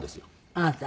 あなた？